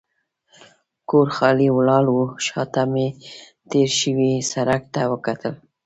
کور خالي ولاړ و، شا ته مې تېر شوي سړک ته وکتل.